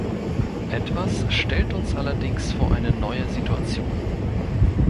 Etwas stellt uns allerdings vor eine neue Situation.